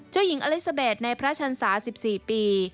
เจ้าหญิงอเล็กซาเบสในพระชันศา๑๔ปี